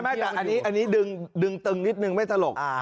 ไม่แต่อันนี้ดึงตึงนิดนึงไม่ตลก